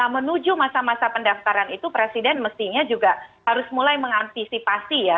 menuju masa masa pendaftaran itu presiden mestinya juga harus mulai mengantisipasi ya